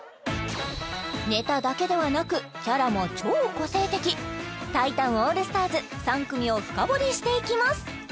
ネタだけではなくキャラも超個性的タイタンオールスターズ３組を深掘りしていきます